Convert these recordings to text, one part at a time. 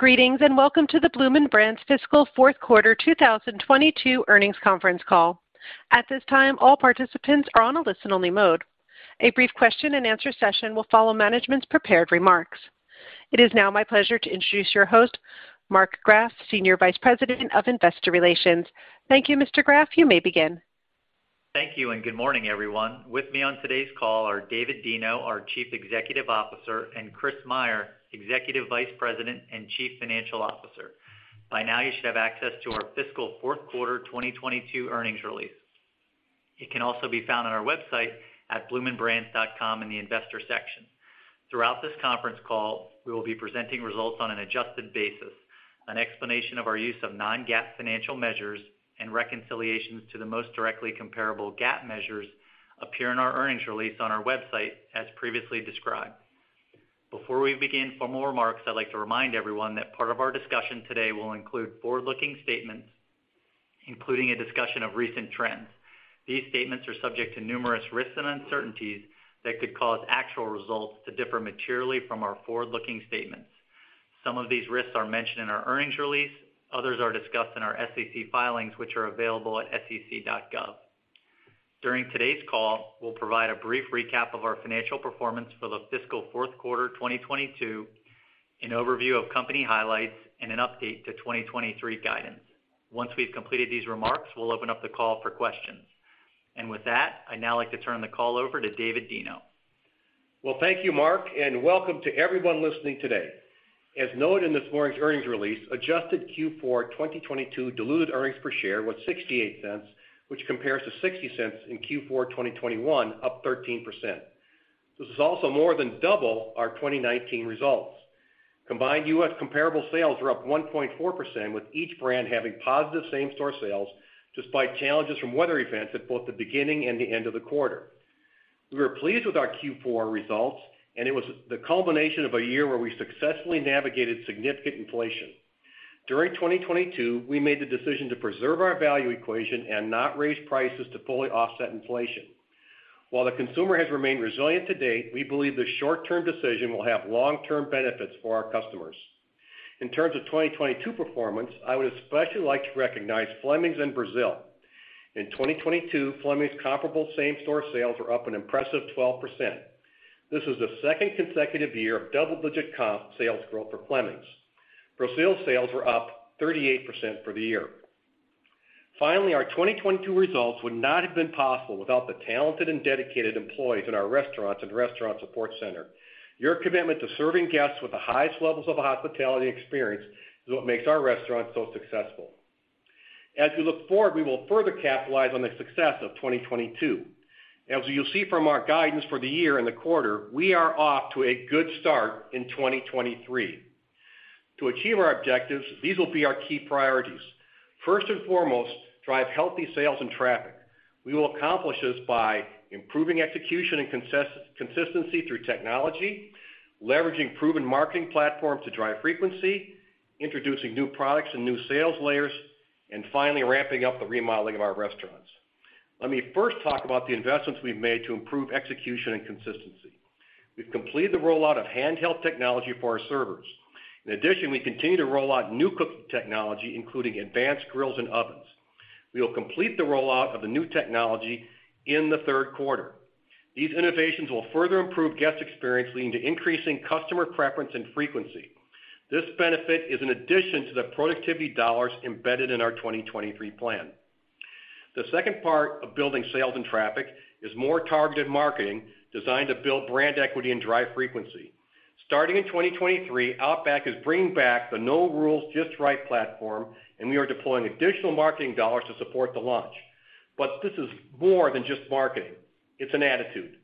Greetings, and welcome to the Bloomin' Brands fiscal 4th quarter 2022 earnings conference call. At this time, all participants are on a listen-only mode. A brief question-and-answer session will follow management's prepared remarks. It is now my pleasure to introduce your host, Mark Graff, Senior Vice President of Investor Relations. Thank you, Mr. Graff. You may begin. Thank you. Good morning, everyone. With me on today's call are David Deno, our Chief Executive Officer, and Chris Meyer, Executive Vice President and Chief Financial Officer. By now, you should have access to our fiscal 4th quarter 2022 earnings release. It can also be found on our website at bloominbrands.com in the Investor section. Throughout this conference call, we will be presenting results on an adjusted basis, an explanation of our use of non-GAAP financial measures, and reconciliations to the most directly comparable GAAP measures appear in our earnings release on our website, as previously described. Before we begin formal remarks, I'd like to remind everyone that part of our discussion today will include forward-looking statements, including a discussion of recent trends. These statements are subject to numerous risks and uncertainties that could cause actual results to differ materially from our forward-looking statements. Some of these risks are mentioned in our earnings release. Others are discussed in our SEC filings, which are available at sec.gov. During today's call, we'll provide a brief recap of our financial performance for the fiscal Q4 2022, an overview of company highlights, and an update to 2023 guidance. Once we've completed these remarks, we'll open up the call for questions. With that, I'd now like to turn the call over to David Deno. Well, thank you, Mark, and welcome to everyone listening today. As noted in this morning's earnings release, adjusted Q4 2022 diluted earnings per share was $0.68, which compares to $0.60 in Q4 2021, up 13%. This is also more than double our 2019 results. Combined U.S. comparable sales were up 1.4%, with each brand having positive same-store sales despite challenges from weather events at both the beginning and the end of the quarter. We were pleased with our Q4 results, and it was the culmination of a year where we successfully navigated significant inflation. During 2022, we made the decision to preserve our value equation and not raise prices to fully offset inflation. While the consumer has remained resilient to date, we believe the short-term decision will have long-term benefits for our customers. In terms of 2022 performance, I would especially like to recognize Fleming's and Brazil. In 2022, Fleming's comparable same-store sales were up an impressive 12%. This is the second consecutive year of double-digit comp sales growth for Fleming's. Brazil sales were up 38% for the year. Finally, our 2022 results would not have been possible without the talented and dedicated employees in our restaurants and restaurant support center. Your commitment to serving guests with the highest levels of hospitality experience is what makes our restaurants so successful. As we look forward, we will further capitalize on the success of 2022. As you'll see from our guidance for the year and the quarter, we are off to a good start in 2023. To achieve our objectives, these will be our key priorities. First and foremost, drive healthy sales and traffic. We will accomplish this by improving execution and consistency through technology, leveraging proven marketing platform to drive frequency, introducing new products and new sales layers, and finally, ramping up the remodeling of our restaurants. Let me first talk about the investments we've made to improve execution and consistency. We've completed the rollout of handheld technology for our servers. In addition, we continue to roll out new cooking technology, including advanced grills and ovens. We will complete the rollout of the new technology in the Q3. These innovations will further improve guest experience, leading to increasing customer preference and frequency. This benefit is in addition to the productivity dollars embedded in our 2023 plan. The second part of building sales and traffic is more targeted marketing designed to build brand equity and drive frequency. Starting in 2023, Outback is bringing back the No Rules, Just Right platform, we are deploying additional marketing dollars to support the launch. This is more than just marketing. It's an attitude.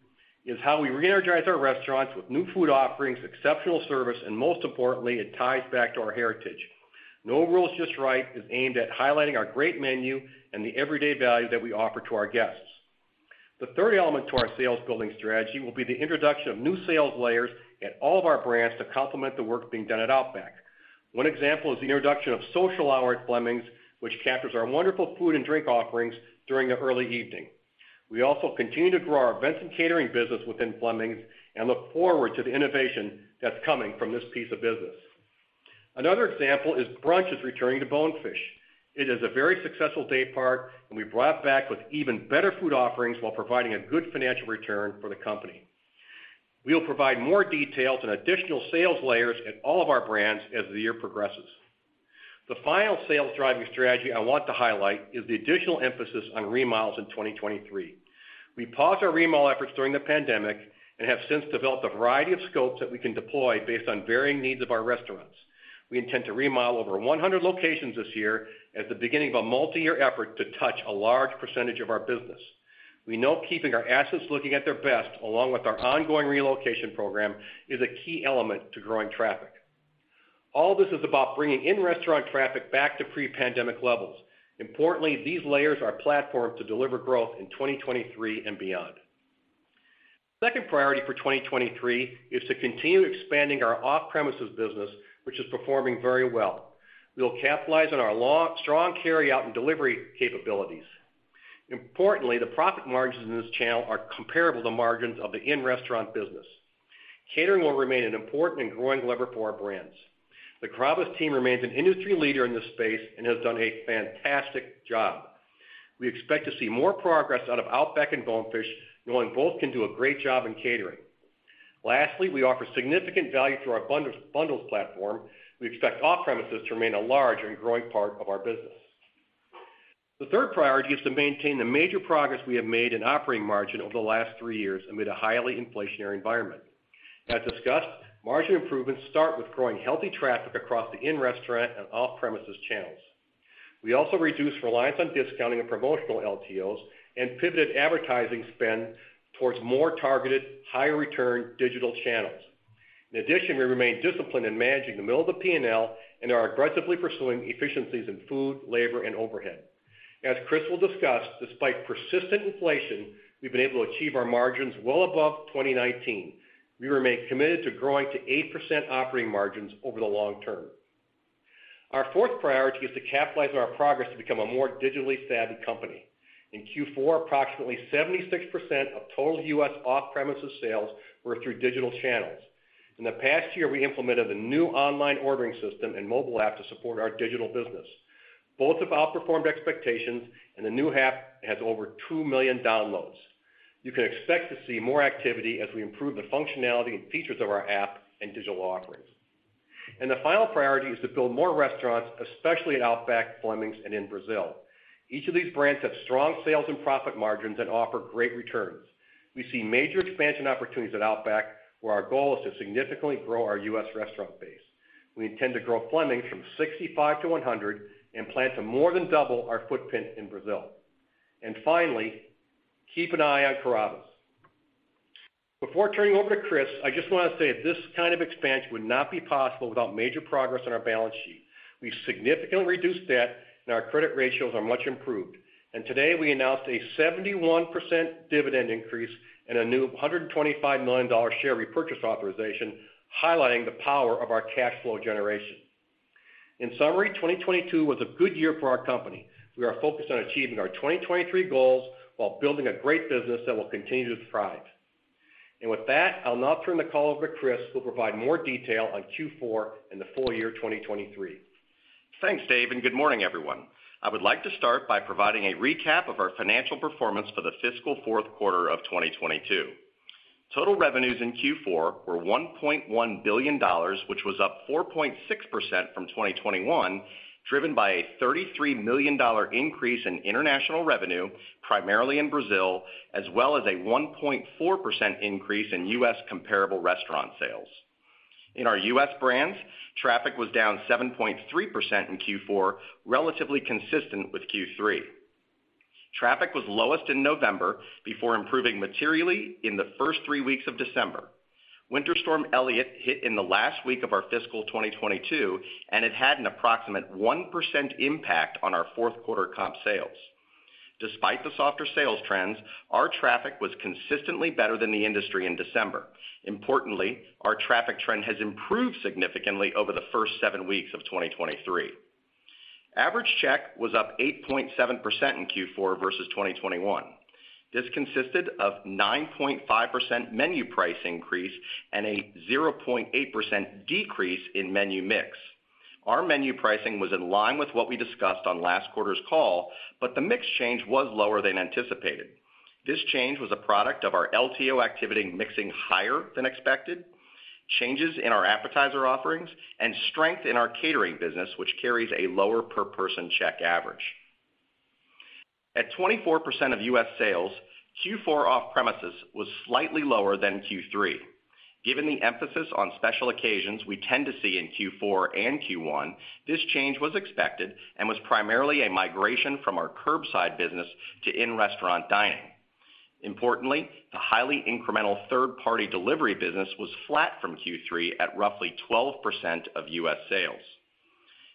It's how we reenergize our restaurants with new food offerings, exceptional service, and most importantly, it ties back to our heritage. No Rules, Just Right is aimed at highlighting our great menu and the everyday value that we offer to our guests. The third element to our sales-building strategy will be the introduction of new sales layers at all of our brands to complement the work being done at Outback. One example is the introduction of Social Hour at Fleming's, which captures our wonderful food and drink offerings during the early evening. We also continue to grow our events and catering business within Fleming's and look forward to the innovation that's coming from this piece of business. Another example is brunch is returning to Bonefish. It is a very successful day part, and we brought back with even better food offerings while providing a good financial return for the company. We'll provide more details and additional sales layers at all of our brands as the year progresses. The final sales-driving strategy I want to highlight is the additional emphasis on remodels in 2023. We paused our remodel efforts during the pandemic and have since developed a variety of scopes that we can deploy based on varying needs of our restaurants. We intend to remodel over 100 locations this year as the beginning of a multi-year effort to touch a large percentage of our business. We know keeping our assets looking at their best, along with our ongoing relocation program, is a key element to growing traffic. All this is about bringing in-restaurant traffic back to pre-pandemic levels. Importantly, these layers are platformed to deliver growth in 2023 and beyond. Second priority for 2023 is to continue expanding our off-premises business, which is performing very well. We'll capitalize on our strong carryout and delivery capabilities. Importantly, the profit margins in this channel are comparable to margins of the in-restaurant business. Catering will remain an important and growing lever for our brands. The Carrabba's team remains an industry leader in this space and has done a fantastic job. We expect to see more progress out of Outback and Bonefish, knowing both can do a great job in catering. Lastly, we offer significant value through our bundles platform. We expect off-premises to remain a large and growing part of our business. The third priority is to maintain the major progress we have made in operating margin over the last 3 years amid a highly inflationary environment. As discussed, margin improvements start with growing healthy traffic across the in-restaurant and off-premises channels. We also reduced reliance on discounting and promotional LTOs and pivoted advertising spend towards more targeted, higher return digital channels. In addition, we remain disciplined in managing the middle of the P&L and are aggressively pursuing efficiencies in food, labor, and overhead. As Chris will discuss, despite persistent inflation, we've been able to achieve our margins well above 2019. We remain committed to growing to 8% operating margins over the long term. Our fourth priority is to capitalize on our progress to become a more digitally savvy company. In Q4, approximately 76% of total U.S. off-premises sales were through digital channels. In the past year, we implemented a new online ordering system and mobile app to support our digital business. Both have outperformed expectations. The new app has over 2 million downloads. You can expect to see more activity as we improve the functionality and features of our app and digital offerings. The final priority is to build more restaurants, especially at Outback, Fleming's, and in Brazil. Each of these brands have strong sales and profit margins and offer great returns. We see major expansion opportunities at Outback, where our goal is to significantly grow our U.S. restaurant base. We intend to grow Fleming's from 65 to 100 and plan to more than double our footprint in Brazil. Finally, keep an eye on Carrabba's. Before turning over to Chris, I just want to say this kind of expansion would not be possible without major progress on our balance sheet. We've significantly reduced debt, and our credit ratios are much improved. Today, we announced a 71% dividend increase and a new $125 million share repurchase authorization, highlighting the power of our cash flow generation. In summary, 2022 was a good year for our company. We are focused on achieving our 2023 goals while building a great business that will continue to thrive. With that, I'll now turn the call over to Chris, who will provide more detail on Q4 and the full year 2023. Thanks, David Deno, good morning, everyone. I would like to start by providing a recap of our financial performance for the fiscal Q4 of 2022. Total revenues in Q4 were $1.1 billion, which was up 4.6% from 2021, driven by a $33 million increase in international revenue, primarily in Brazil, as well as a 1.4% increase in U.S. comparable restaurant sales. In our U.S. brands, traffic was down 7.3% in Q4, relatively consistent with Q3. Traffic was lowest in November before improving materially in the first three weeks of December. Winter Storm Elliott hit in the last week of our fiscal 2022, it had an approximate 1% impact on our Q4 comp sales. Despite the softer sales trends, our traffic was consistently better than the industry in December. Importantly, our traffic trend has improved significantly over the first 7 weeks of 2023. Average check was up 8.7% in Q4 versus 2021. This consisted of 9.5% menu price increase and a 0.8% decrease in menu mix. Our menu pricing was in line with what we discussed on last quarter's call, the mix change was lower than anticipated. This change was a product of our LTO activity mixing higher than expected, changes in our appetizer offerings, and strength in our catering business, which carries a lower per person check average. At 24% of U.S. sales, Q4 off-premises was slightly lower than Q3. Given the emphasis on special occasions we tend to see in Q4 and Q1, this change was expected and was primarily a migration from our curbside business to in-restaurant dining. Importantly, the highly incremental third-party delivery business was flat from Q3 at roughly 12% of U.S. sales.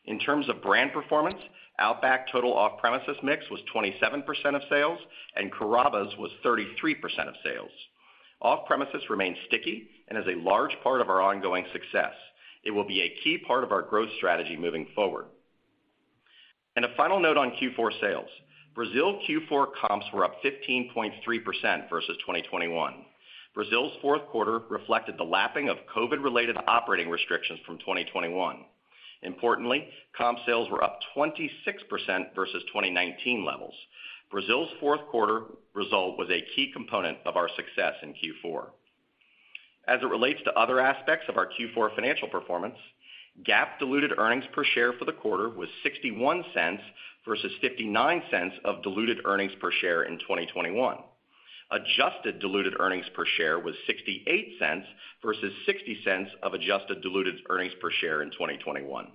In terms of brand performance, Outback total off-premises mix was 27% of sales and Carrabba's was 33% of sales. Off-premises remains sticky and is a large part of our ongoing success. It will be a key part of our growth strategy moving forward. A final note on Q4 sales. Brazil Q4 comps were up 15.3% versus 2021. Brazil's Q4 reflected the lapping of COVID-related operating restrictions from 2021. Importantly, comp sales were up 26% versus 2019 levels. Brazil's Q4 result was a key component of our success in Q4. As it relates to other aspects of our Q4 financial performance, GAAP diluted earnings per share for the quarter was $0.61 versus $0.59 of diluted earnings per share in 2021. Adjusted diluted earnings per share was $0.68 versus $0.60 of adjusted diluted earnings per share in 2021.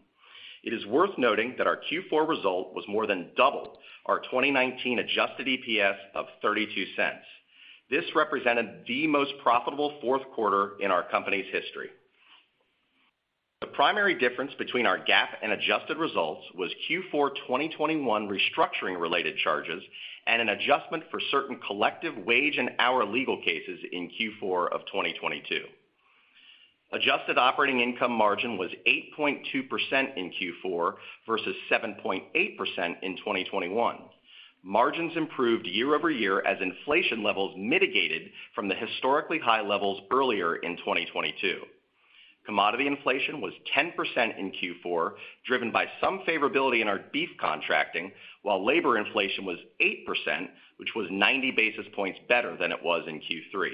It is worth noting that our Q4 result was more than double our 2019 adjusted EPS of $0.32. This represented the most profitable Q4 in our company's history. The primary difference between our GAAP and adjusted results was Q4 2021 restructuring related charges and an adjustment for certain collective wage and hour legal cases in Q4 of 2022. Adjusted operating income margin was 8.2% in Q4 versus 7.8% in 2021. Margins improved year-over-year as inflation levels mitigated from the historically high levels earlier in 2022. Commodity inflation was 10% in Q4, driven by some favorability in our beef contracting, while labor inflation was 8%, which was 90 basis points better than it was in Q3.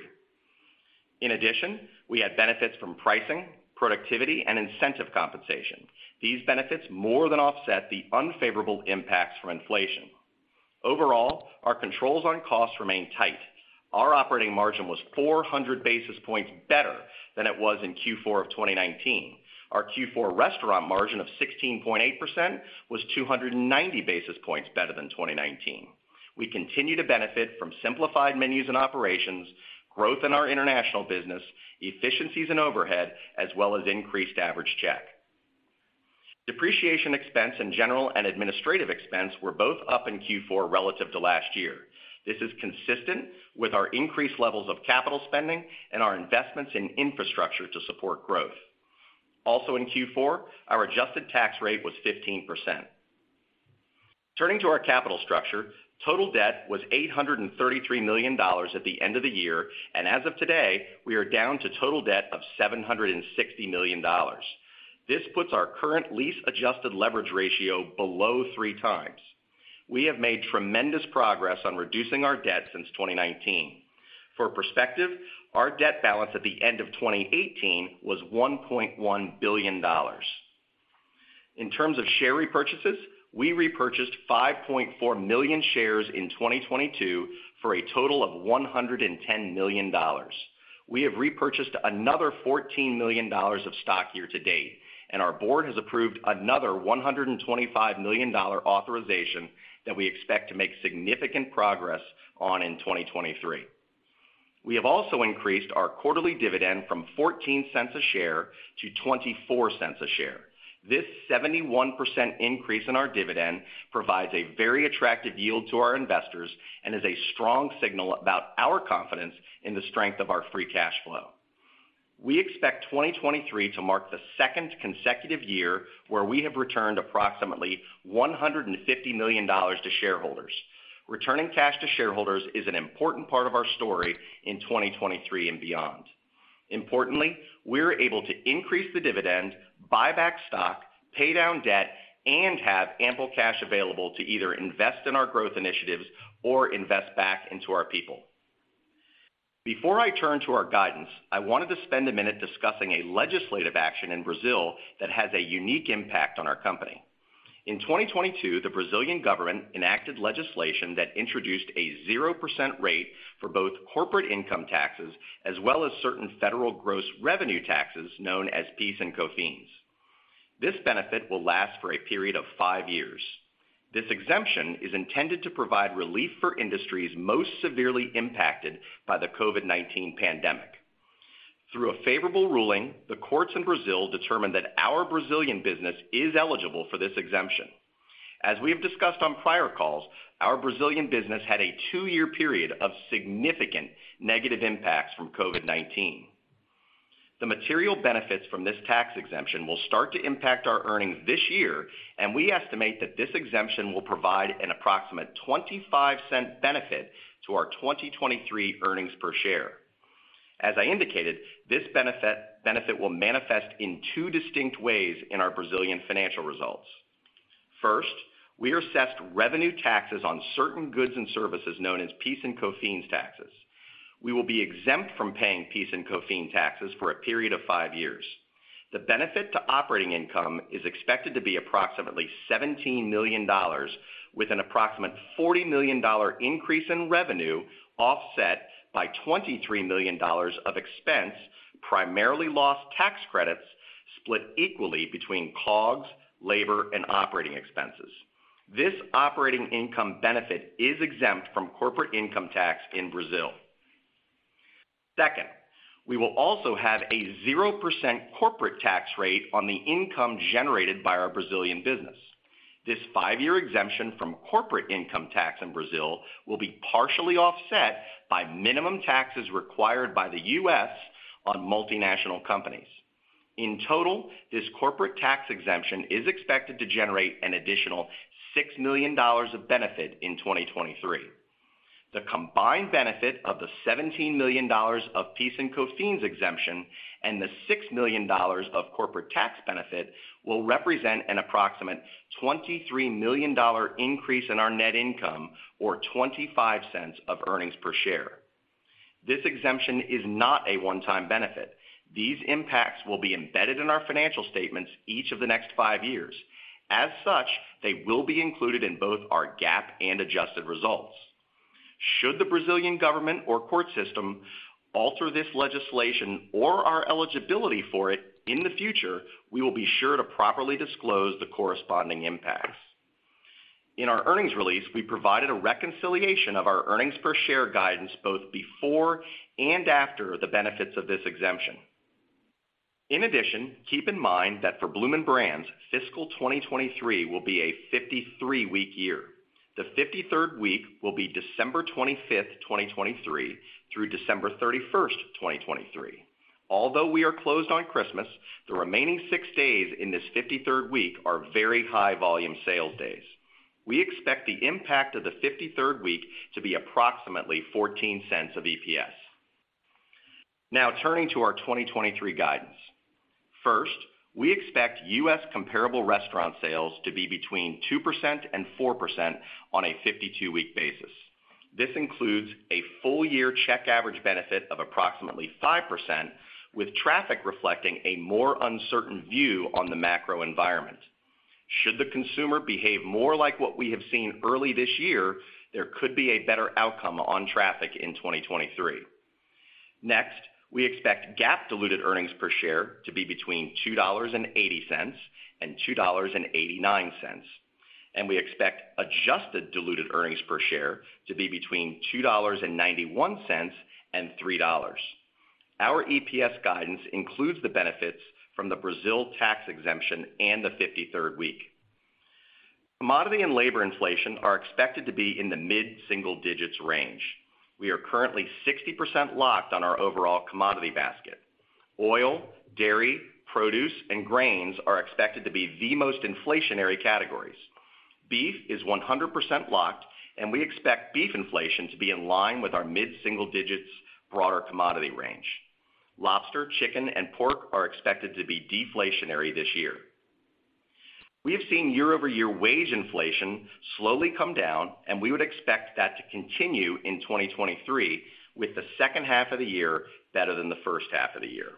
In addition, we had benefits from pricing, productivity, and incentive compensation. These benefits more than offset the unfavorable impacts from inflation. Overall, our controls on costs remain tight. Our operating margin was 400 basis points better than it was in Q4 of 2019. Our Q4 restaurant margin of 16.8% was 290 basis points better than 2019. We continue to benefit from simplified menus and operations, growth in our international business, efficiencies in overhead, as well as increased average check. Depreciation expense and general and administrative expense were both up in Q4 relative to last year. This is consistent with our increased levels of capital spending and our investments in infrastructure to support growth. In Q4, our adjusted tax rate was 15%. Turning to our capital structure, total debt was $833 million at the end of the year, and as of today, we are down to total debt of $760 million. This puts our current lease adjusted leverage ratio below 3 times. We have made tremendous progress on reducing our debt since 2019. For perspective, our debt balance at the end of 2018 was $1.1 billion. In terms of share repurchases, we repurchased 5.4 million shares in 2022 for a total of $110 million. We have repurchased another $14 million of stock year to date. Our board has approved another $125 million authorization that we expect to make significant progress on in 2023. We have also increased our quarterly dividend from $0.14 a share to $0.24 a share. This 71% increase in our dividend provides a very attractive yield to our investors and is a strong signal about our confidence in the strength of our free cash flow. We expect 2023 to mark the second consecutive year where we have returned approximately $150 million to shareholders. Returning cash to shareholders is an important part of our story in 2023 and beyond. Importantly, we're able to increase the dividend, buy back stock, pay down debt, and have ample cash available to either invest in our growth initiatives or invest back into our people. Before I turn to our guidance, I wanted to spend a minute discussing a legislative action in Brazil that has a unique impact on our company. In 2022, the Brazilian government enacted legislation that introduced a 0% rate for both corporate income taxes as well as certain federal gross revenue taxes known as PIS and COFINS. This benefit will last for a period of five years. This exemption is intended to provide relief for industries most severely impacted by the COVID-19 pandemic. Through a favorable ruling, the courts in Brazil determined that our Brazilian business is eligible for this exemption. As we have discussed on prior calls, our Brazilian business had a two-year period of significant negative impacts from COVID-19. The material benefits from this tax exemption will start to impact our earnings this year, and we estimate that this exemption will provide an approximate $0.25 benefit to our 2023 earnings per share. As I indicated, this benefit will manifest in two distinct ways in our Brazilian financial results. First, we are assessed revenue taxes on certain goods and services known as PIS and COFINS taxes. We will be exempt from paying PIS and COFINS taxes for a period of five years. The benefit to operating income is expected to be approximately $17 million, with an approximate $40 million increase in revenue offset by $23 million of expense, primarily lost tax credits split equally between COGS, labor, and operating expenses. This operating income benefit is exempt from corporate income tax in Brazil. We will also have a 0% corporate tax rate on the income generated by our Brazilian business. This 5-year exemption from corporate income tax in Brazil will be partially offset by minimum taxes required by the U.S. on multinational companies. This corporate tax exemption is expected to generate an additional $6 million of benefit in 2023. The combined benefit of the $17 million of PIS and COFINS exemption and the $6 million of corporate tax benefit will represent an approximate $23 million increase in our net income or $0.25 of earnings per share. This exemption is not a 1-time benefit. These impacts will be embedded in our financial statements each of the next 5 years. They will be included in both our GAAP and adjusted results. Should the Brazilian government or court system alter this legislation or our eligibility for it in the future, we will be sure to properly disclose the corresponding impacts. In our earnings release, we provided a reconciliation of our earnings per share guidance both before and after the benefits of this exemption. Keep in mind that for Bloomin' Brands, fiscal 2023 will be a 53-week year. The 53rd week will be December 25th, 2023 through December 31st, 2023. We are closed on Christmas, the remaining six days in this 53rd week are very high volume sales days. We expect the impact of the 53rd week to be approximately $0.14 of EPS. Turning to our 2023 guidance. We expect U.S. comparable restaurant sales to be between 2% and 4% on a 52-week basis. This includes a full year check average benefit of approximately 5%, with traffic reflecting a more uncertain view on the macro environment. Should the consumer behave more like what we have seen early this year, there could be a better outcome on traffic in 2023. Next, we expect GAAP diluted earnings per share to be between $2.80 and $2.89. We expect adjusted diluted earnings per share to be between $2.91 and $3.00. Our EPS guidance includes the benefits from the Brazil tax exemption and the 53rd week. Commodity and labor inflation are expected to be in the mid-single digits range. We are currently 60% locked on our overall commodity basket. Oil, dairy, produce and grains are expected to be the most inflationary categories. Beef is 100% locked, and we expect beef inflation to be in line with our mid-single digits broader commodity range. Lobster, chicken and pork are expected to be deflationary this year. We have seen year-over-year wage inflation slowly come down, and we would expect that to continue in 2023, with the second half of the year better than the first half of the year.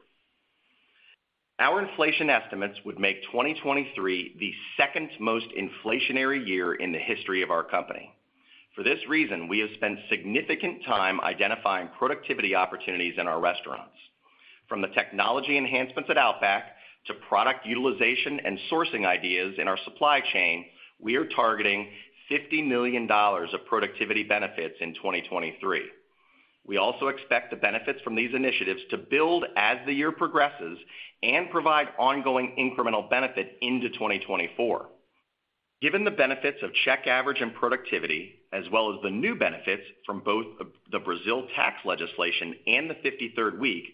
Our inflation estimates would make 2023 the second most inflationary year in the history of our company. For this reason, we have spent significant time identifying productivity opportunities in our restaurants. From the technology enhancements at Outback to product utilization and sourcing ideas in our supply chain, we are targeting $50 million of productivity benefits in 2023. We also expect the benefits from these initiatives to build as the year progresses and provide ongoing incremental benefit into 2024. Given the benefits of check average and productivity, as well as the new benefits from both the Brazil tax legislation and the 53rd week,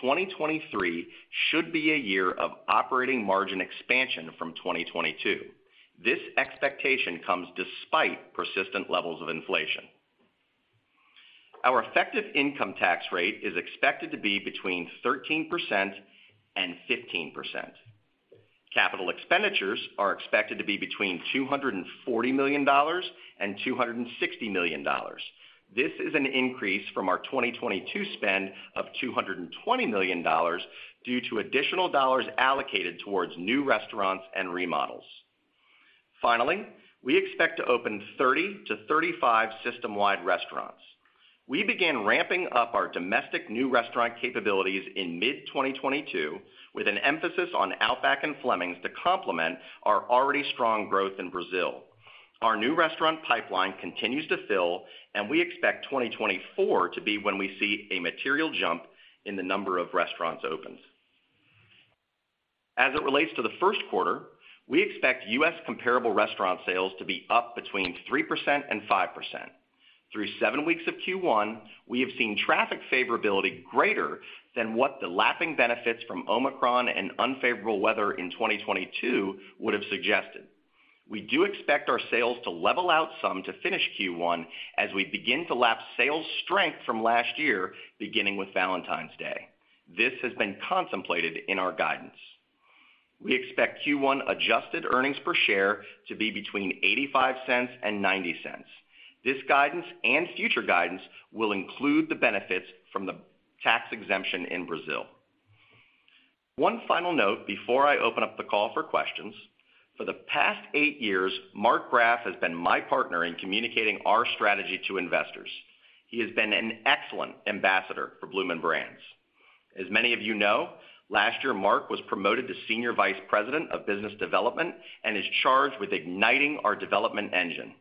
2023 should be a year of operating margin expansion from 2022. This expectation comes despite persistent levels of inflation. Our effective income tax rate is expected to be between 13% and 15%. Capital expenditures are expected to be between $240 million and $260 million. This is an increase from our 2022 spend of $220 million due to additional dollars allocated towards new restaurants and remodels. Finally, we expect to open 30-35 system-wide restaurants. We began ramping up our domestic new restaurant capabilities in mid-2022, with an emphasis on Outback and Fleming's to complement our already strong growth in Brazil. Our new restaurant pipeline continues to fill, and we expect 2024 to be when we see a material jump in the number of restaurants opened. As it relates to the Q1, we expect U.S. comparable restaurant sales to be up between 3% and 5%. Through seven weeks of Q1, we have seen traffic favorability greater than what the lapping benefits from Omicron and unfavorable weather in 2022 would have suggested. We do expect our sales to level out some to finish Q1 as we begin to lap sales strength from last year, beginning with Valentine's Day. This has been contemplated in our guidance. We expect Q1 adjusted earnings per share to be between $0.85 and $0.90. This guidance and future guidance will include the benefits from the tax exemption in Brazil. One final note before I open up the call for questions. For the past 8 years, Mark Graff has been my partner in communicating our strategy to investors. He has been an excellent ambassador for Bloomin' Brands. As many of you know, last year Mark was promoted to Senior Vice President of Business Development and is charged with igniting our development engine.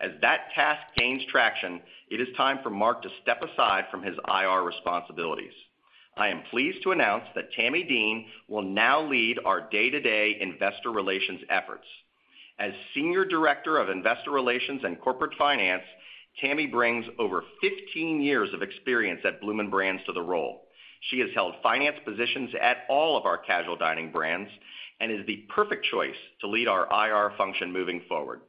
As that task gains traction, it is time for Mark to step aside from his IR responsibilities. I am pleased to announce that Tammy Dean will now lead our day-to-day investor relations efforts. As Senior Director of Investor Relations and Corporate Finance, Tammy brings over 15 years of experience at Bloomin' Brands to the role. She has held finance positions at all of our casual dining brands and is the perfect choice to lead our IR function moving forward.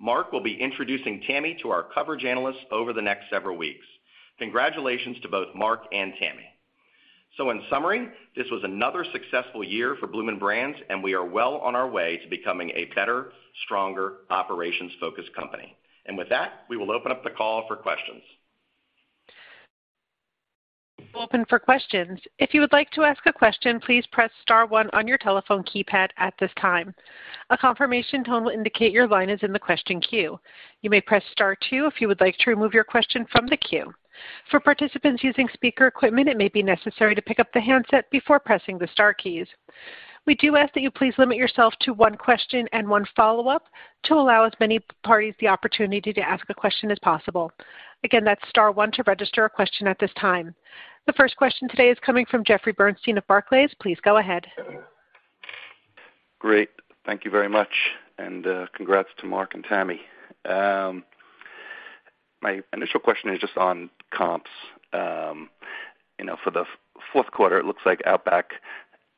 Mark will be introducing Tammy to our coverage analysts over the next several weeks. Congratulations to both Mark and Tammy. In summary, this was another successful year for Bloomin' Brands, and we are well on our way to becoming a better, stronger, operations-focused company. With that, we will open up the call for questions. Open for questions. If you would like to ask a question, please press star one on your telephone keypad at this time. A confirmation tone will indicate your line is in the question queue. You may press star two if you would like to remove your question from the queue. For participants using speaker equipment, it may be necessary to pick up the handset before pressing the star keys. We do ask that you please limit yourself to one question and one follow-up to allow as many parties the opportunity to ask a question as possible. Again, that's star one to register a question at this time. The first question today is coming from Jeffrey Bernstein of Barclays. Please go ahead. Great. Thank you very much, and congrats to Mark and Tammy. My initial question is just on comps. You know, for the Q4, it looks like Outback,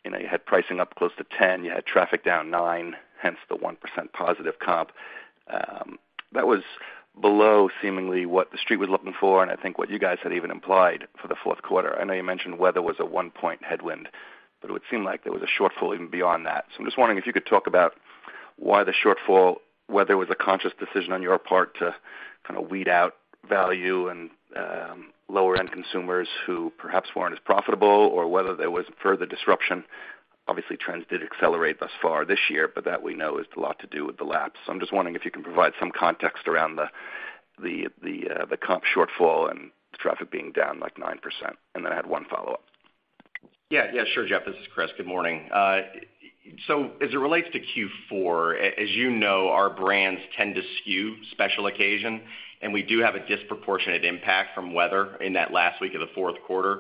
you know, you had pricing up close to 10, you had traffic down 9, hence the 1% positive comp. That was below seemingly what the street was looking for, and I think what you guys had even implied for the Q4. I know you mentioned weather was a 1-point headwind, but it would seem like there was a shortfall even beyond that. I'm just wondering if you could talk about why the shortfall, whether it was a conscious decision on your part to kind of weed out value and lower-end consumers who perhaps weren't as profitable or whether there was further disruption. Obviously, trends did accelerate thus far this year, but that we know is a lot to do with the laps. I'm just wondering if you can provide some context around the comp shortfall and traffic being down, like, 9%. I had one follow-up. Yeah. Yeah, sure, Jeff. This is Chris. Good morning. As it relates to Q4, as you know, our brands tend to skew special occasion, and we do have a disproportionate impact from weather in that last week of the Q4.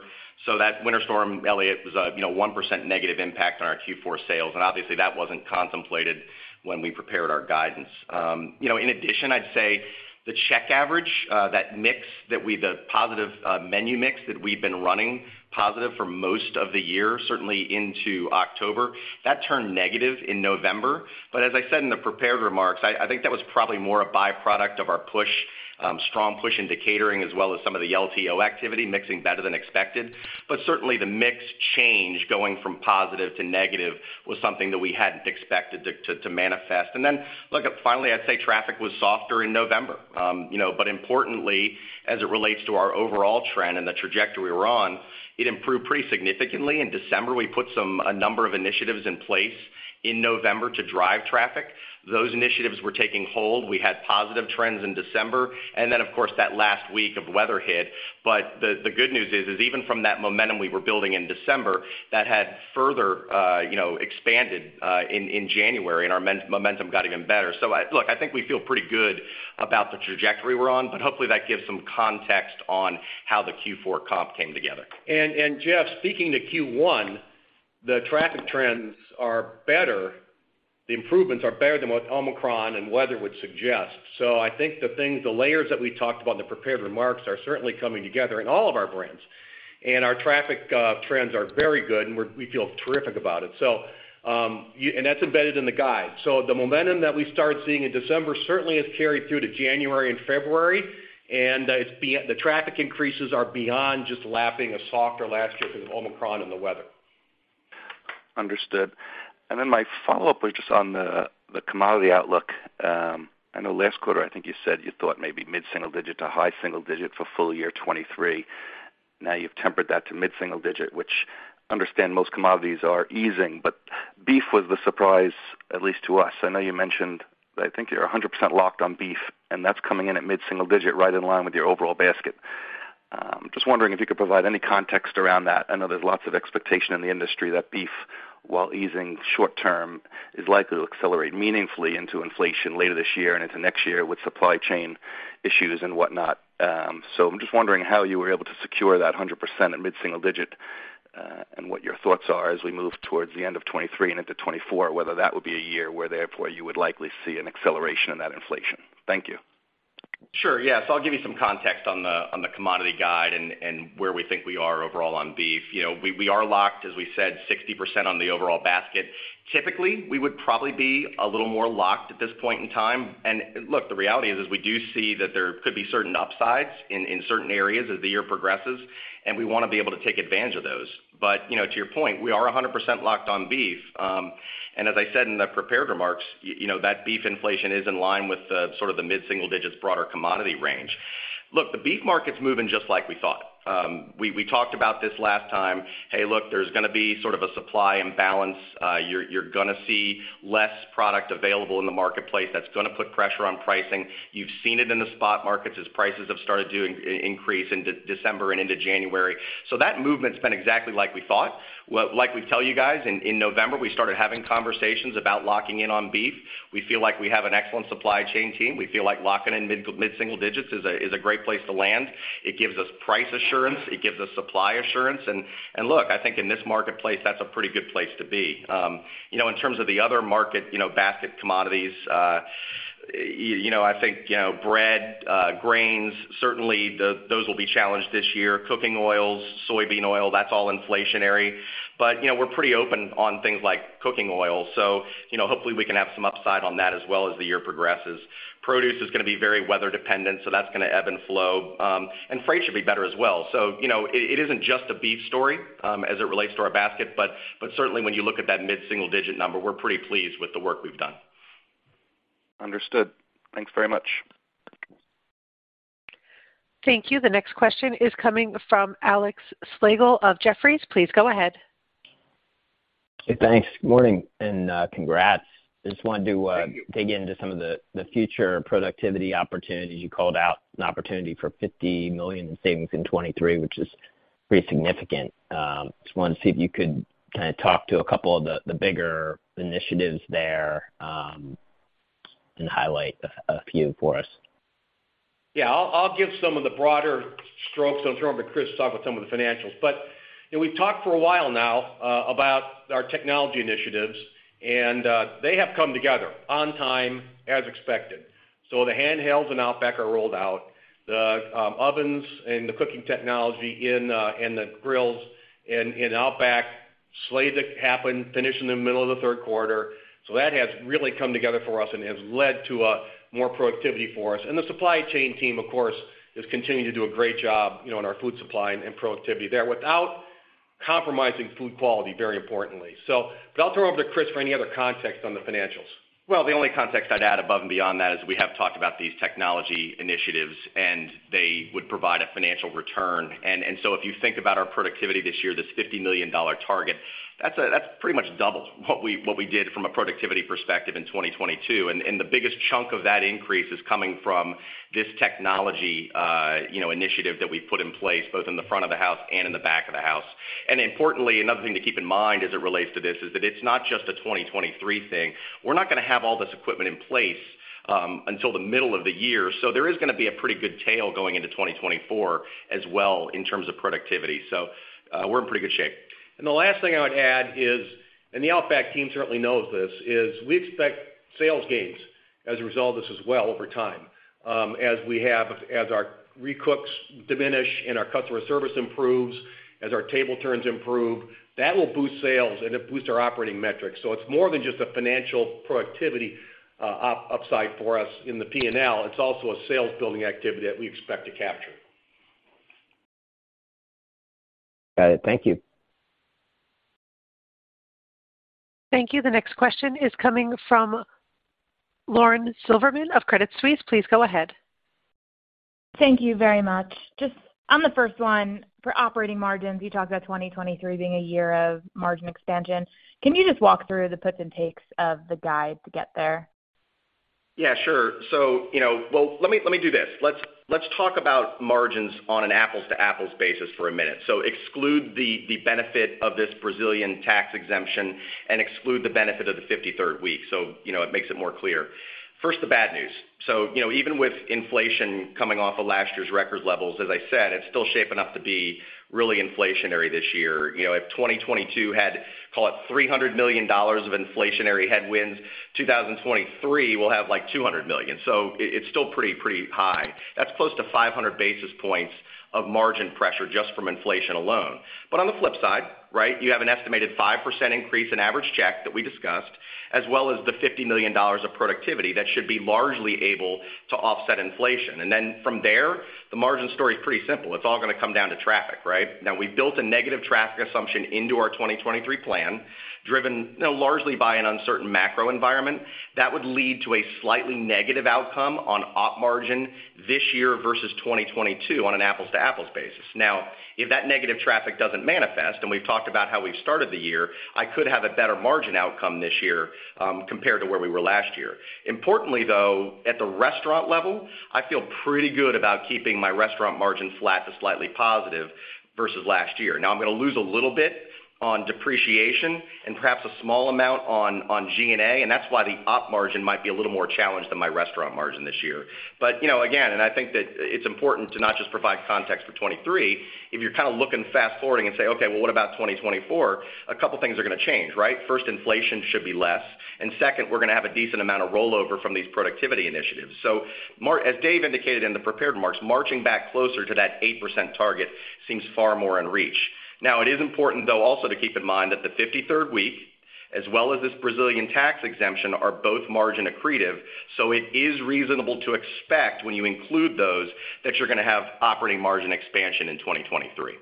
That Winter Storm Elliott was a 1% negative impact on our Q4 sales, and obviously, that wasn't contemplated when we prepared our guidance. In addition, I'd say the check average, that mix that we the positive menu mix that we've been running positive for most of the year, certainly into October, that turned negative in November. As I said in the prepared remarks, I think that was probably more a byproduct of our push, strong push into catering as well as some of the LTO activity mixing better than expected. Certainly, the mix change going from positive to negative was something that we hadn't expected to manifest. Look, finally, I'd say traffic was softer in November. You know, importantly, as it relates to our overall trend and the trajectory we're on, it improved pretty significantly in December. We put a number of initiatives in place in November to drive traffic. Those initiatives were taking hold. We had positive trends in December. Of course, that last week of weather hit. The good news is, even from that momentum we were building in December, that had further, you know, expanded in January, and our momentum got even better. Look, I think we feel pretty good about the trajectory we're on. Hopefully that gives some context on how the Q4 comp came together. Jeff, speaking to Q1, the traffic trends are better, the improvements are better than what Omicron and weather would suggest. I think the things, the layers that we talked about in the prepared remarks are certainly coming together in all of our brands. Our traffic trends are very good, and we feel terrific about it. That's embedded in the guide. The momentum that we started seeing in December certainly has carried through to January and February. The traffic increases are beyond just lapping a softer last year because of Omicron and the weather. Understood. My follow-up was just on the commodity outlook. I know last quarter, I think you said you thought maybe mid-single digit to high single digit for full year 2023. Now you've tempered that to mid-single digit, which understand most commodities are easing. Beef was the surprise, at least to us. I know you mentioned, I think you're 100% locked on beef, and that's coming in at mid-single digit, right in line with your overall basket. Just wondering if you could provide any context around that. I know there's lots of expectation in the industry that beef, while easing short term, is likely to accelerate meaningfully into inflation later this year and into next year with supply chain issues and whatnot. I'm just wondering how you were able to secure that 100% at mid-single digit, and what your thoughts are as we move towards the end of 2023 and into 2024, whether that would be a year where therefore you would likely see an acceleration in that inflation. Thank you. Sure. Yeah. I'll give you some context on the commodity guide and where we think we are overall on beef. You know, we are locked, as we said, 60% on the overall basket. Typically, we would probably be a little more locked at this point in time. Look, the reality is we do see that there could be certain upsides in certain areas as the year progresses, and we wanna be able to take advantage of those. You know, to your point, we are 100% locked on beef. As I said in the prepared remarks, you know, that beef inflation is in line with the sort of the mid-single-digits broader commodity range. Look, the beef market's moving just like we thought. We talked about this last time. Hey, look, there's gonna be sort of a supply imbalance. you're gonna see less product available in the marketplace. That's gonna put pressure on pricing. You've seen it in the spot markets as prices have started to increase into December and into January. That movement's been exactly like we thought. Like we tell you guys, in November, we started having conversations about locking in on beef. We feel like we have an excellent supply chain team. We feel like locking in mid-single digits is a great place to land. It gives us price assurance, it gives us supply assurance. Look, I think in this marketplace, that's a pretty good place to be. You know, in terms of the other market, you know, basket commodities, I think, you know, bread, grains, certainly those will be challenged this year. Cooking oils, soybean oil, that's all inflationary. You know, we're pretty open on things like cooking oil, hopefully we can have some upside on that as well as the year progresses. Produce is gonna be very weather dependent, that's gonna ebb and flow. Freight should be better as well. You know, it isn't just a beef story as it relates to our basket, but certainly when you look at that mid-single digit number, we're pretty pleased with the work we've done. Understood. Thanks very much. Thank you. The next question is coming from Alexander Slagle of Jefferies. Please go ahead. Hey, thanks. Morning and congrats. Just wanted to. Thank you. -dig into some of the future productivity opportunities. You called out an opportunity for $50 million in savings in 2023, which is pretty significant. Just wanted to see if you could kinda talk to a couple of the bigger initiatives there, and highlight a few for us. I'll give some of the broader strokes, and I'll turn over to Chris to talk about some of the financials. You know, we've talked for a while now, about our technology initiatives, and they have come together on time as expected. The handhelds in Outback are rolled out. The ovens and the cooking technology in the grills in Outback slayed it happen, finished in the middle of the Q3. That has really come together for us and has led to a more productivity for us. The supply chain team, of course, has continued to do a great job, you know, in our food supply and productivity there without compromising food quality, very importantly. I'll turn over to Chris for any other context on the financials. The only context I'd add above and beyond that is we have talked about these technology initiatives, and they would provide a financial return. If you think about our productivity this year, this $50 million target, that's pretty much double what we did from a productivity perspective in 2022. The biggest chunk of that increase is coming from this technology, you know, initiative that we put in place, both in the front of the house and in the back of the house. Importantly, another thing to keep in mind as it relates to this is that it's not just a 2023 thing. We're not gonna have all this equipment in place until the middle of the year. There is gonna be a pretty good tail going into 2024 as well in terms of productivity. We're in pretty good shape. The last thing I would add is, the Outback team certainly knows this, is we expect sales gains as a result of this as well over time. As our recooks diminish and our customer service improves, as our table turns improve, that will boost sales and it boost our operating metrics. It's more than just a financial productivity, op-upside for us in the P&L, it's also a sales building activity that we expect to capture. Got it. Thank you. Thank you. The next question is coming from Lauren Silberman of Credit Suisse. Please go ahead. Thank you very much. Just on the first one, for operating margins, you talked about 2023 being a year of margin expansion. Can you just walk through the puts and takes of the guide to get there? Yeah, sure. Let me do this. Let's talk about margins on an apples to apples basis for a minute. Exclude the benefit of this Brazilian tax exemption and exclude the benefit of the 53rd week. You know, it makes it more clear. First, the bad news. You know, even with inflation coming off of last year's record levels, as I said, it's still shaping up to be really inflationary this year. You know, if 2022 had, call it $300 million of inflationary headwinds, 2023 will have, like, $200 million. It's still pretty high. That's close to 500 basis points of margin pressure just from inflation alone. On the flip side, right, you have an estimated 5% increase in average check that we discussed, as well as the $50 million of productivity that should be largely able to offset inflation. From there, the margin story is pretty simple. It's all gonna come down to traffic, right? We've built a negative traffic assumption into our 2023 plan, driven largely by an uncertain macro environment that would lead to a slightly negative outcome on op margin this year versus 2022 on an apples to apples basis. If that negative traffic doesn't manifest, and we've talked about how we've started the year, I could have a better margin outcome this year, compared to where we were last year. Importantly, though, at the restaurant level, I feel pretty good about keeping my restaurant margin flat to slightly positive versus last year. I'm gonna lose a little bit on depreciation and perhaps a small amount on G&A, and that's why the op margin might be a little more challenged than my restaurant margin this year. You know, again, I think that it's important to not just provide context for 23. If you're kind of looking fast-forwarding and say, "Okay, well, what about 2024?" A couple of things are gonna change, right? First, inflation should be less, and second, we're gonna have a decent amount of rollover from these productivity initiatives. As Dave indicated in the prepared remarks, marching back closer to that 8% target seems far more in reach. It is important, though, also to keep in mind that the 53rd week, as well as this Brazilian tax exemption, are both margin accretive. It is reasonable to expect, when you include those, that you're gonna have operating margin expansion in 2023.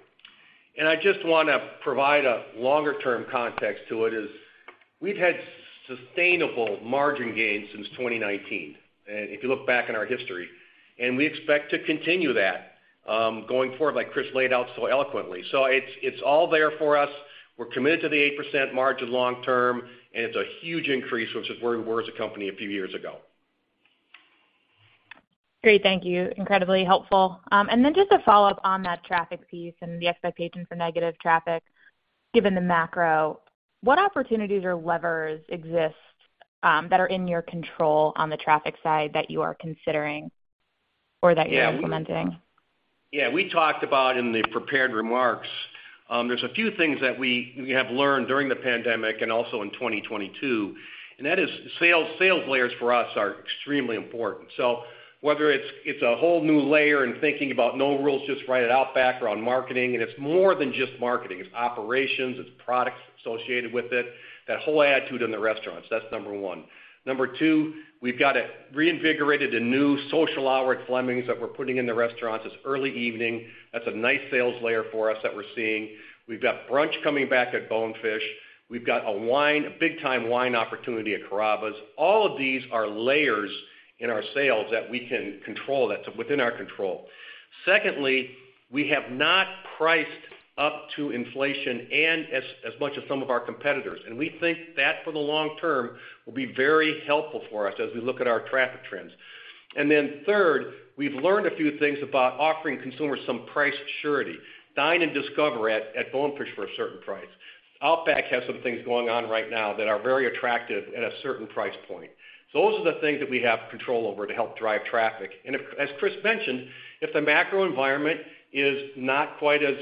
I just wanna provide a longer-term context to it, is we've had sustainable margin gains since 2019, if you look back in our history. We expect to continue that going forward, like Chris laid out so eloquently. It's, it's all there for us. We're committed to the 8% margin long term, and it's a huge increase, which is where we were as a company a few years ago. Great. Thank you. Incredibly helpful. Just a follow-up on that traffic piece and the expectation for negative traffic. Given the macro, what opportunities or levers exist that are in your control on the traffic side that you are considering or that you're implementing? Yeah, we talked about in the prepared remarks, there's a few things that we have learned during the pandemic and also in 2022. That is sales layers for us are extremely important. Whether it's a whole new layer in thinking about No Rules, Just Right at Outback around marketing. It's more than just marketing. It's operations, it's products associated with it, that whole attitude in the restaurants. That's number 1. Number 2, we've got a reinvigorated and new Social Hour at Fleming's that we're putting in the restaurants. It's early evening. That's a nice sales layer for us that we're seeing. We've got brunch coming back at Bonefish. We've got a big time wine opportunity at Carrabba's. All of these are layers in our sales that we can control, that's within our control. We have not priced up to inflation as much as some of our competitors. We think that for the long term will be very helpful for us as we look at our traffic trends. Third, we've learned a few things about offering consumers some price surety. Dine and Discover at Bonefish for a certain price. Outback has some things going on right now that are very attractive at a certain price point. Those are the things that we have control over to help drive traffic. As Chris mentioned, if the macro environment is not quite as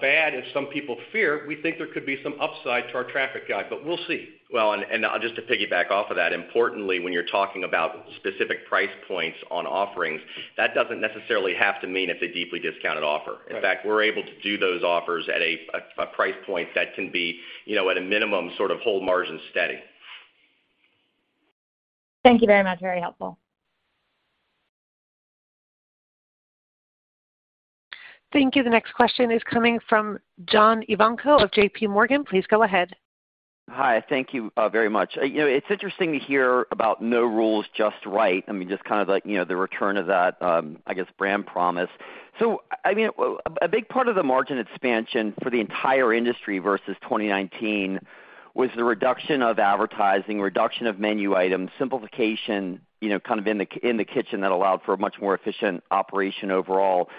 bad as some people fear, we think there could be some upside to our traffic guide. We'll see. Well, just to piggyback off of that, importantly, when you're talking about specific price points on offerings, that doesn't necessarily have to mean it's a deeply discounted offer. Right. In fact, we're able to do those offers at a price point that can be, you know, at a minimum, sort of hold margin steady. Thank you very much. Very helpful. Thank you. The next question is coming from John Ivankoe of JPMorgan. Please go ahead. Hi. Thank you very much. You know, it's interesting to hear about No Rules, Just Right. I mean, just kind of like, you know, the return of that, I guess, brand promise. I mean, a big part of the margin expansion for the entire industry versus 2019 was the reduction of advertising, reduction of menu items, simplification, you know, kind of in the kitchen that allowed for a much more efficient operation overall.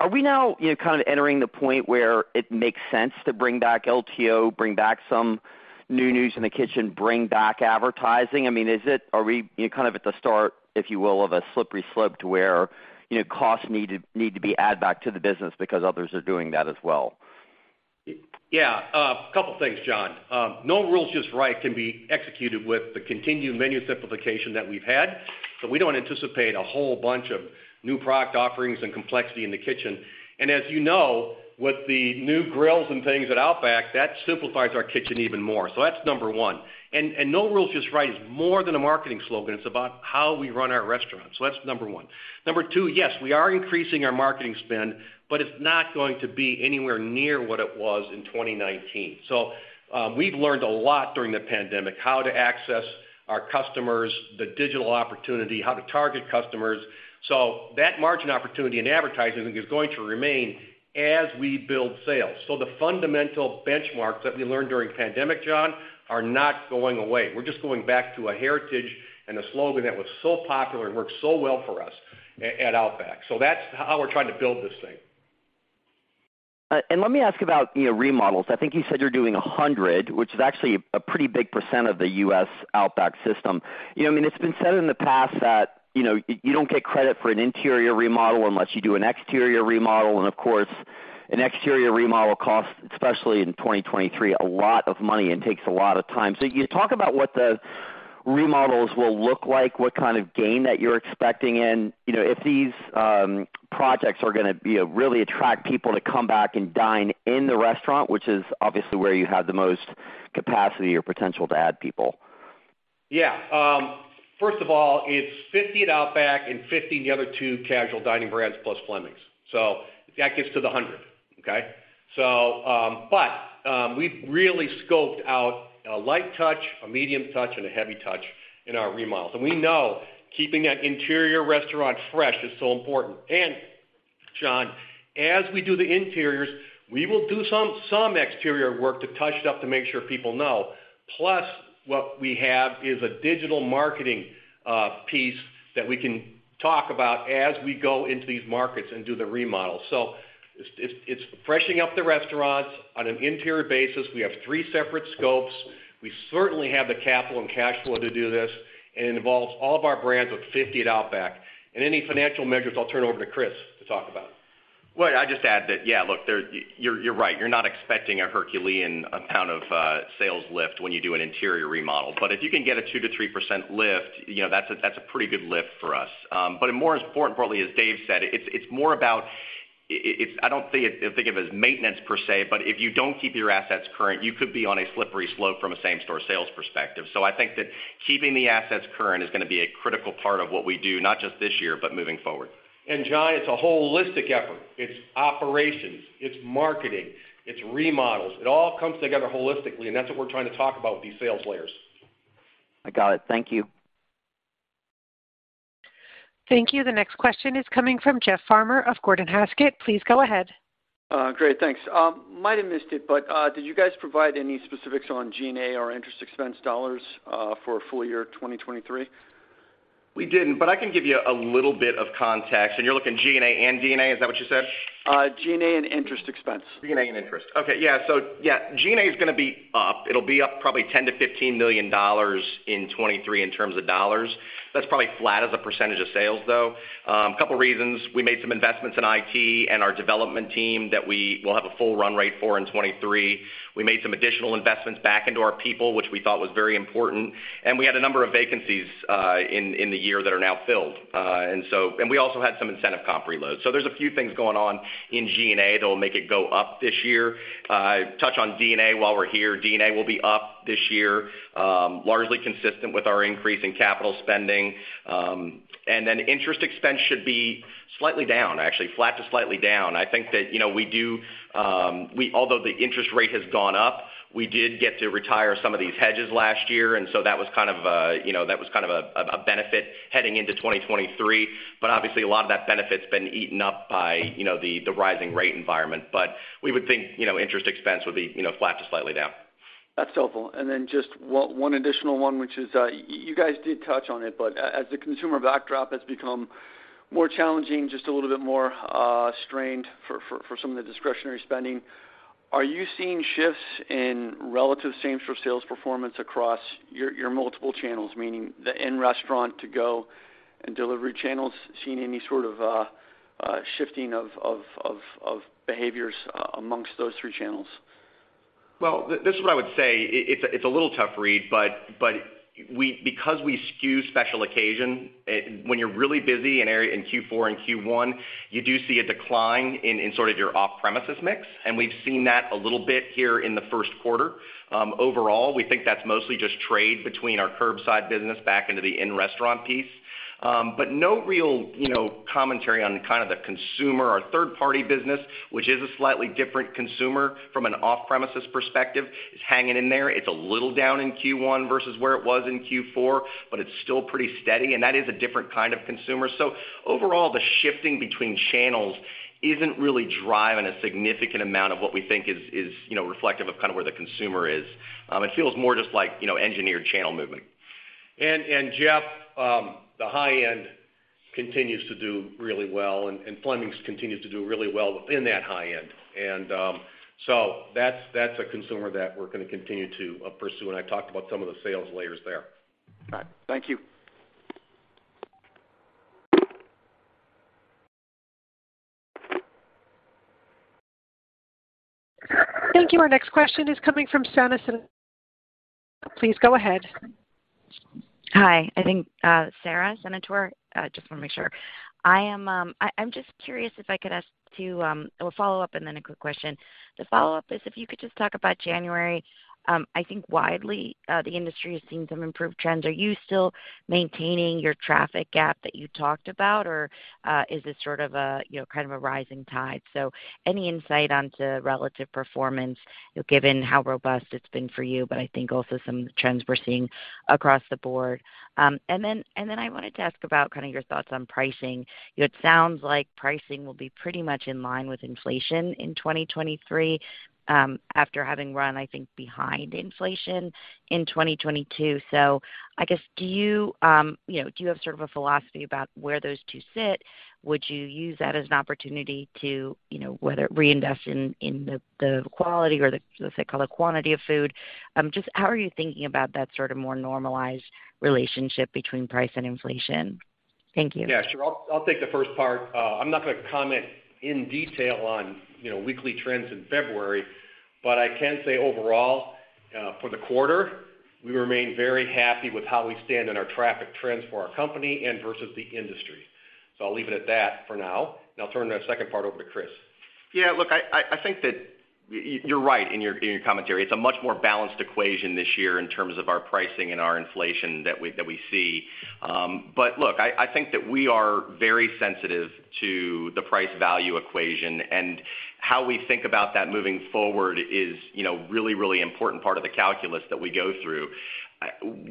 Are we now, you know, kind of entering the point where it makes sense to bring back LTO, bring back some new news in the kitchen, bring back advertising? I mean, are we, you know, kind of at the start, if you will, of a slippery slope to where, you know, costs need to be add back to the business because others are doing that as well? A couple things, John. No Rules, Just Right can be executed with the continued menu simplification that we've had. We don't anticipate a whole bunch of new product offerings and complexity in the kitchen. As you know, with the new grills and things at Outback, that simplifies our kitchen even more. That's number one. No Rules, Just Right is more than a marketing slogan. It's about how we run our restaurants. That's number one. Number two, yes, we are increasing our marketing spend, but it's not going to be anywhere near what it was in 2019. We've learned a lot during the pandemic, how to access our customers, the digital opportunity, how to target customers. That margin opportunity in advertising is going to remain as we build sales. The fundamental benchmarks that we learned during pandemic, John, are not going away. We're just going back to a heritage and a slogan that was so popular and worked so well for us at Outback. That's how we're trying to build this thing. Let me ask about, you know, remodels. I think you said you're doing 100, which is actually a pretty big % of the U.S. Outback system. You know, I mean, it's been said in the past that, you know, you don't get credit for an interior remodel unless you do an exterior remodel. Of course, an exterior remodel costs, especially in 2023, a lot of money and takes a lot of time. Can you talk about what the remodels will look like, what kind of gain that you're expecting in, you know, if these projects are gonna, you know, really attract people to come back and dine in the restaurant, which is obviously where you have the most capacity or potential to add people. Yeah. First of all, it's 50 at Outback and 50 in the other two casual dining brands plus Fleming's. That gets to the 100. Okay? We've really scoped out a light touch, a medium touch, and a heavy touch in our remodels. We know keeping an interior restaurant fresh is so important. John, as we do the interiors, we will do some exterior work to touch it up to make sure people know. Plus, what we have is a digital marketing piece that we can talk about as we go into these markets and do the remodels. It's freshening up the restaurants on an interior basis. We have 3 separate scopes. We certainly have the capital and cash flow to do this, and it involves all of our brands with 50 at Outback. Any financial measures, I'll turn over to Chris to talk about. I'd just add that, look, you're right. You're not expecting a Herculean amount of sales lift when you do an interior remodel. If you can get a 2%-3% lift, you know, that's a pretty good lift for us. More importantly, as Dave said, it's more about. It's I don't think of it as maintenance per se, but if you don't keep your assets current, you could be on a slippery slope from a same-store sales perspective. I think that keeping the assets current is gonna be a critical part of what we do, not just this year, but moving forward. John, it's a holistic effort. It's operations, it's marketing, it's remodels. It all comes together holistically, and that's what we're trying to talk about with these sales layers. I got it. Thank you. Thank you. The next question is coming from Jeff Farmer of Gordon Haskett. Please go ahead. Great. Thanks. Might have missed it, but did you guys provide any specifics on G&A or interest expense dollars for full year 2023? We didn't, but I can give you a little bit of context. You're looking G&A and D&A, is that what you said? G&A and interest expense. G&A and interest. Okay. Yeah. Yeah, G&A is gonna be up. It'll be up probably $10 million-$15 million in 2023 in terms of dollars. That's probably flat as a percentage of sales, though. A couple reasons. We made some investments in IT and our development team that we will have a full run rate for in 2023. We made some additional investments back into our people, which we thought was very important. We had a number of vacancies in the year that are now filled. We also had some incentive comp reloads. There's a few things going on in G&A that'll make it go up this year. Touch on D&A while we're here. D&A will be up this year, largely consistent with our increase in capital spending. Interest expense should be slightly down, actually, flat to slightly down. I think that, you know, we do, although the interest rate has gone up, we did get to retire some of these hedges last year, that was kind of a, you know, that was kind of a benefit heading into 2023. Obviously a lot of that benefit's been eaten up by, you know, the rising rate environment. We would think, you know, interest expense would be, you know, flat to slightly down. That's helpful. Just one additional one, which is, you guys did touch on it, but as the consumer backdrop has become more challenging, just a little bit more strained for some of the discretionary spending, are you seeing shifts in relative same-store sales performance across your multiple channels, meaning the in-restaurant, to-go, and delivery channels, seeing any sort of shifting of behaviors amongst those three channels? This is what I would say. It's a little tough read, but we because we skew special occasion, when you're really busy in Q4 and Q1, you do see a decline in sort of your off-premises mix, and we've seen that a little bit here in the Q1. Overall, we think that's mostly just trade between our curbside business back into the in-restaurant piece. No real, you know, commentary on kind of the consumer. Our third-party business, which is a slightly different consumer from an off-premises perspective, is hanging in there. It's a little down in Q1 versus where it was in Q4, but it's still pretty steady, and that is a different kind of consumer. Overall, the shifting between channels isn't really driving a significant amount of what we think is, you know, reflective of kind of where the consumer is. It feels more just like, you know, engineered channel movement. Jeff, the high end continues to do really well, and Fleming's continues to do really well within that high end. That's a consumer that we're gonna continue to pursue, and I talked about some of the sales layers there. All right. Thank you. Thank you. Our next question is coming from Sara Senatore. Please go ahead. Hi. I think, Sara Senatore, just want to make sure. I'm just curious if I could ask to, well, follow up and then a quick question. The follow-up is if you could just talk about January. I think widely, the industry has seen some improved trends. Are you still maintaining your traffic gap that you talked about, or is this sort of a, you know, kind of a rising tide? Any insight onto relative performance, you know, given how robust it's been for you, but I think also some trends we're seeing across the board. Then, I wanted to ask about kind of your thoughts on pricing. It sounds like pricing will be pretty much in line with inflation in 2023, after having run, I think, behind inflation in 2022. I guess, do you know, do you have sort of a philosophy about where those two sit? Would you use that as an opportunity to, you know, reinvest in the quality or the, as they call it, quantity of food? Just how are you thinking about that sort of more normalized relationship between price and inflation? Thank you. Yeah, sure. I'll take the first part. I'm not gonna comment in detail on, you know, weekly trends in February, but I can say overall, for the quarter, we remain very happy with how we stand in our traffic trends for our company and versus the industry. I'll leave it at that for now, and I'll turn that second part over to Chris. Yeah. Look, I think that you're right in your, in your commentary. It's a much more balanced equation this year in terms of our pricing and our inflation that we see. Look, I think that we are very sensitive to the price value equation and how we think about that moving forward is, you know, really important part of the calculus that we go through.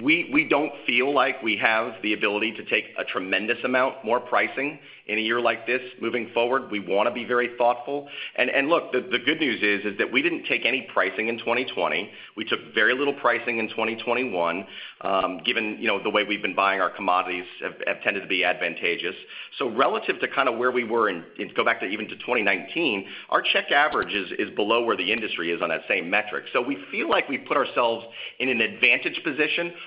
We don't feel like we have the ability to take a tremendous amount more pricing in a year like this moving forward. We wanna be very thoughtful. Look, the good news is that we didn't take any pricing in 2020. We took very little pricing in 2021, given, you know, the way we've been buying our commodities have tended to be advantageous. Relative to kind of where we were go back to even to 2019, our check average is below where the industry is on that same metric. We feel like we put ourselves in an advantage position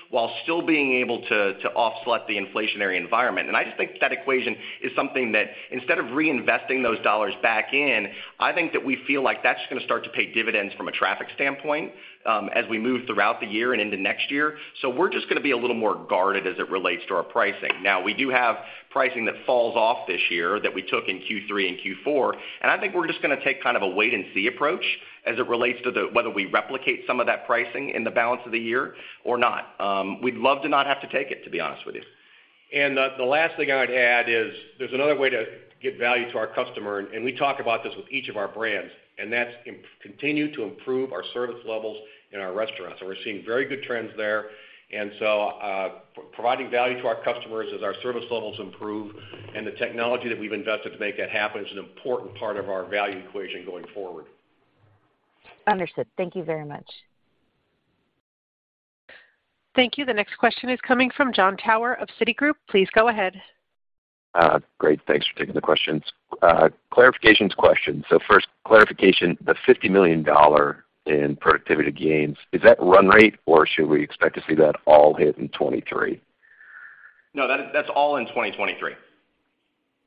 while still being able to offset the inflationary environment. I just think that equation is something that instead of reinvesting those dollars back in, I think that we feel like that's gonna start to pay dividends from a traffic standpoint, as we move throughout the year and into next year. We're just gonna be a little more guarded as it relates to our pricing. We do have pricing that falls off this year that we took in Q3 and Q4, and I think we're just gonna take kind of a wait and see approach as it relates to whether we replicate some of that pricing in the balance of the year or not. We'd love to not have to take it, to be honest with you. The last thing I'd add is there's another way to get value to our customer, and we talk about this with each of our brands, and that's continue to improve our service levels in our restaurants. We're seeing very good trends there. Providing value to our customers as our service levels improve and the technology that we've invested to make that happen is an important part of our value equation going forward. Understood. Thank you very much. Thank you. The next question is coming from Jon Tower of Citigroup. Please go ahead. Great. Thanks for taking the questions. Clarifications question. First, clarification, the $50 million in productivity gains, is that run rate, or should we expect to see that all hit in 2023? No, that's all in 2023. Great.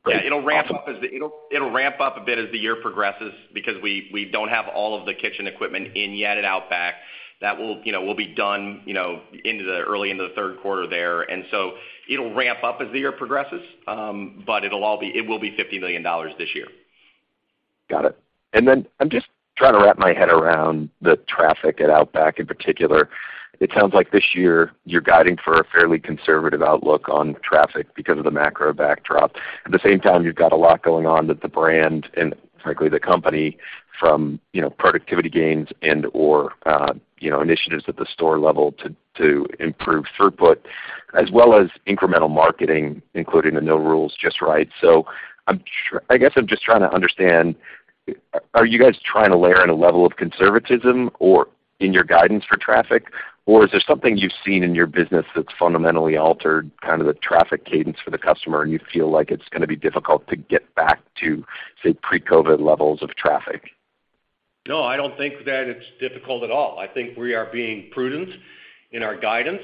Awesome. Yeah, it'll ramp up a bit as the year progresses because we don't have all of the kitchen equipment in yet at Outback. That will, you know, will be done, you know, early into the Q3 there. It'll ramp up as the year progresses, but it will be $50 million this year. Got it. I'm just trying to wrap my head around the traffic at Outback in particular. It sounds like this year you're guiding for a fairly conservative outlook on traffic because of the macro backdrop. At the same time, you've got a lot going on with the brand and frankly, the company from, you know, productivity gains and/or, you know, initiatives at the store level to improve throughput as well as incremental marketing, including the No Rules, Just Right. I guess I'm just trying to understand. Are you guys trying to layer in a level of conservatism or in your guidance for traffic? Or is there something you've seen in your business that's fundamentally altered kind of the traffic cadence for the customer, and you feel like it's gonna be difficult to get back to, say, pre-COVID levels of traffic? No, I don't think that it's difficult at all. I think we are being prudent in our guidance,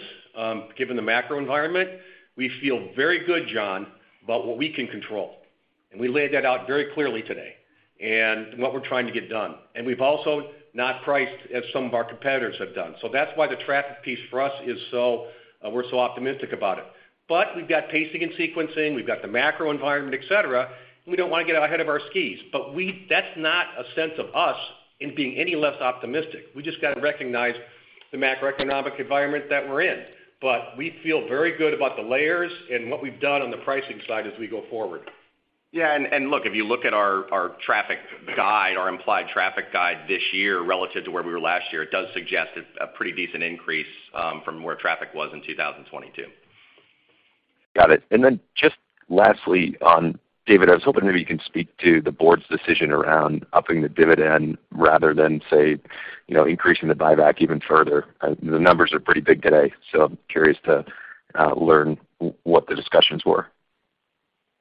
given the macro environment. We feel very good, John, about what we can control, we laid that out very clearly today and what we're trying to get done. We've also not priced as some of our competitors have done. That's why the traffic piece for us is we're so optimistic about it. We've got pacing and sequencing, we've got the macro environment, et cetera. We don't wanna get out ahead of our skis. That's not a sense of us in being any less optimistic. We just gotta recognize the macroeconomic environment that we're in. We feel very good about the layers and what we've done on the pricing side as we go forward. Yeah. Look, if you look at our traffic guide, our implied traffic guide this year relative to where we were last year, it does suggest a pretty decent increase from where traffic was in 2022. Got it. Just lastly on David, I was hoping maybe you can speak to the board's decision around upping the dividend rather than say, you know, increasing the buyback even further. The numbers are pretty big today, I'm curious to learn what the discussions were.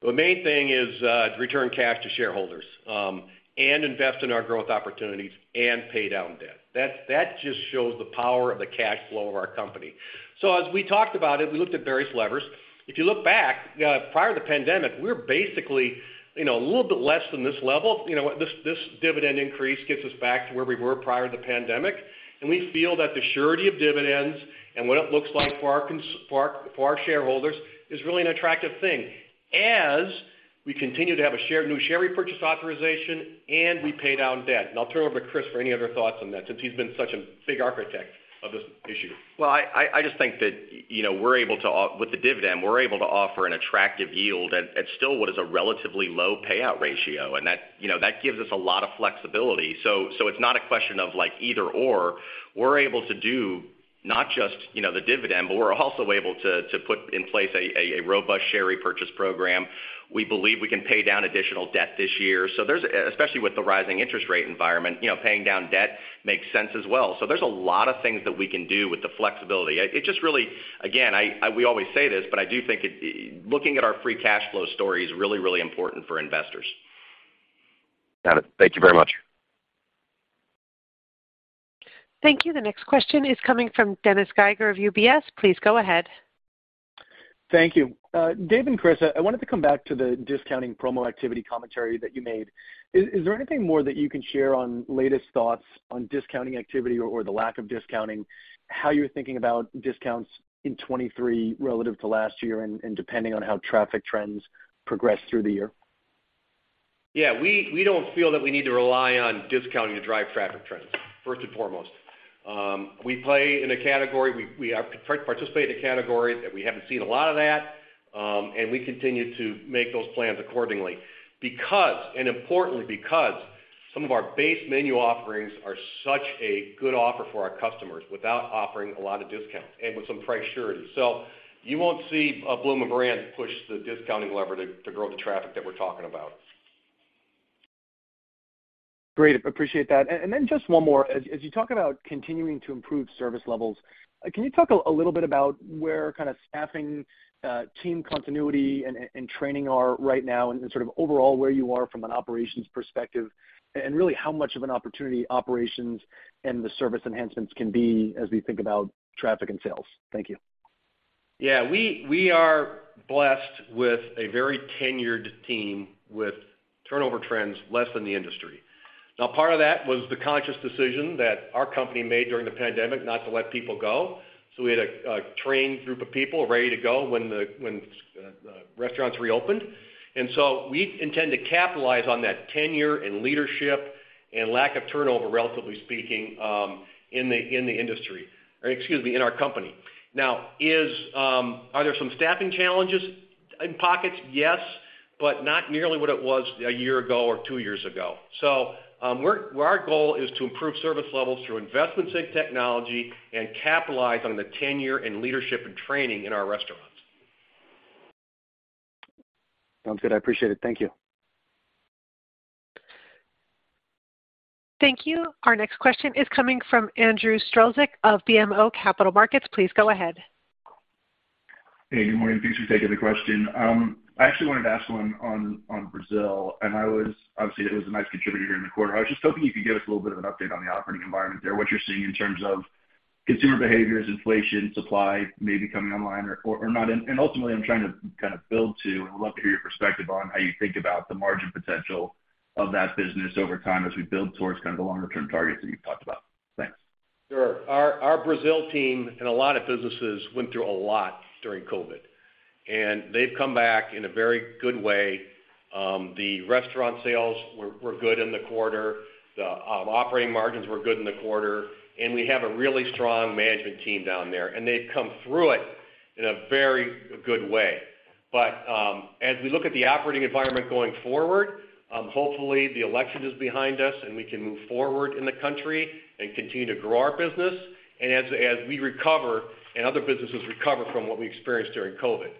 The main thing is to return cash to shareholders, and invest in our growth opportunities and pay down debt. That just shows the power of the cash flow of our company. As we talked about it, we looked at various levers. If you look back, prior to the pandemic, we're basically, you know, a little bit less than this level. You know what? This dividend increase gets us back to where we were prior to the pandemic. We feel that the surety of dividends and what it looks like for our shareholders is really an attractive thing. As we continue to have a new share repurchase authorization and we pay down debt. I'll turn over to Chris for any other thoughts on that since he's been such a big architect of this issue. Well, I just think that, you know, we're able to with the dividend, we're able to offer an attractive yield at still what is a relatively low payout ratio. That, you know, that gives us a lot of flexibility. So it's not a question of like either or. We're able to do not just, you know, the dividend, but we're also able to put in place a robust share repurchase program. We believe we can pay down additional debt this year. Especially with the rising interest rate environment, you know, paying down debt makes sense as well. There's a lot of things that we can do with the flexibility. It just really, again, I, we always say this, but I do think looking at our free cash flow story is really, really important for investors. Got it. Thank you very much. Thank you. The next question is coming from Dennis Geiger of UBS. Please go ahead. Thank you. Dave and Chris, I wanted to come back to the discounting promo activity commentary that you made. Is there anything more that you can share on latest thoughts on discounting activity or the lack of discounting, how you're thinking about discounts in 2023 relative to last year and depending on how traffic trends progress through the year? We don't feel that we need to rely on discounting to drive traffic trends, first and foremost. We play in a category, we participate in a category that we haven't seen a lot of that, and we continue to make those plans accordingly. And importantly because some of our base menu offerings are such a good offer for our customers without offering a lot of discounts and with some price surety. You won't see a Bloomin' Brands push the discounting lever to grow the traffic that we're talking about. Great. Appreciate that. Then just one more. As you talk about continuing to improve service levels, can you talk a little bit about where kind of staffing, team continuity and training are right now and sort of overall where you are from an operations perspective, and really how much of an opportunity operations and the service enhancements can be as we think about traffic and sales? Thank you. We are blessed with a very tenured team with turnover trends less than the industry. Part of that was the conscious decision that our company made during the pandemic not to let people go. We had a trained group of people ready to go when the restaurants reopened. We intend to capitalize on that tenure and leadership and lack of turnover, relatively speaking, in the industry, or excuse me, in our company. Are there some staffing challenges in pockets? Yes, but not nearly what it was a year ago or two years ago. Our goal is to improve service levels through investments in technology and capitalize on the tenure and leadership and training in our restaurants. Sounds good. I appreciate it. Thank you. Thank you. Our next question is coming from Andrew Strelzik of BMO Capital Markets. Please go ahead. Hey, good morning. Thanks for taking the question. I actually wanted to ask one on Brazil, I was obviously it was a nice contributor during the quarter. I was just hoping you could give us a little bit of an update on the operating environment there, what you're seeing in terms of consumer behaviors, inflation, supply maybe coming online or not? Ultimately, I'm trying to kind of build to and would love to hear your perspective on how you think about the margin potential of that business over time as we build towards kind of the longer term targets that you've talked about? Thanks. Sure. Our Brazil team and a lot of businesses went through a lot during COVID, and they've come back in a very good way. The restaurant sales were good in the quarter. The operating margins were good in the quarter, and we have a really strong management team down there, and they've come through it in a very good way. As we look at the operating environment going forward, hopefully the election is behind us and we can move forward in the country and continue to grow our business and as we recover and other businesses recover from what we experienced during COVID.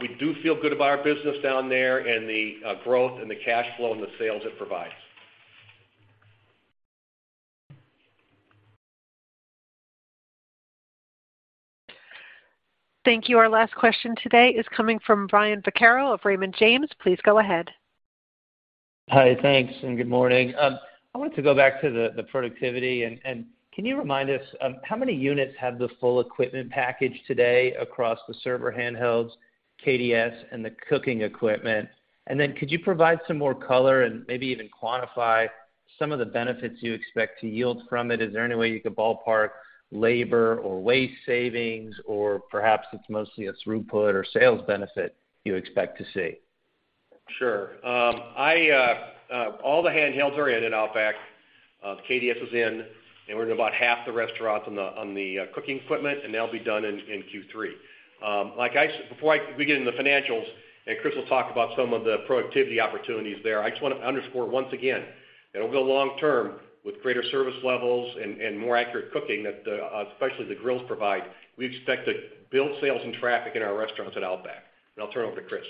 We do feel good about our business down there and the growth and the cash flow and the sales it provides. Thank you. Our last question today is coming from Brian Vaccaro of Raymond James. Please go ahead. Hi. Thanks, and good morning. I wanted to go back to the productivity and can you remind us, how many units have the full equipment package today across the server handhelds, KDS, and the cooking equipment? Then could you provide some more color and maybe even quantify some of the benefits you expect to yield from it? Is there any way you could ballpark labor or waste savings, or perhaps it's mostly a throughput or sales benefit you expect to see? Sure. I, all the handhelds are in at Outback. The KDS is in, and we're in about half the restaurants on the cooking equipment, and they'll be done in Q3. Like I before I get into the financials, and Chris will talk about some of the productivity opportunities there, I just wanna underscore once again that over the long term, with greater service levels and more accurate cooking that the, especially the grills provide, we expect to build sales and traffic in our restaurants at Outback. I'll turn it over to Chris.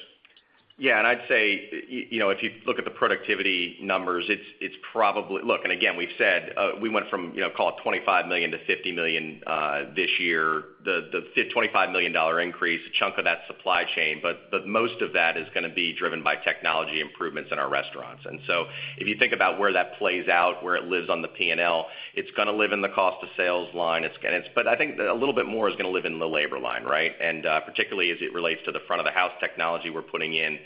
Yeah. I'd say, you know, if you look at the productivity numbers, it's probably. Look, again, we've said, we went from, you know, call it $25 million to $50 million this year. The $25 million increase, a chunk of that's supply chain, but most of that is gonna be driven by technology improvements in our restaurants. If you think about where that plays out, where it lives on the P&L, it's gonna live in the cost of sales line. I think a little bit more is gonna live in the labor line, right? Particularly as it relates to the front of the house technology we're putting in